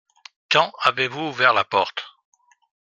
Quand avez-vous ouvert la porte ?